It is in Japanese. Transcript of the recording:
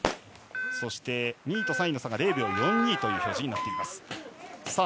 そして２位と３位の差が０秒４２です。